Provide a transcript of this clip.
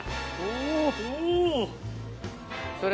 お。